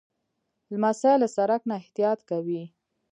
لمسی له سړک نه احتیاط کوي.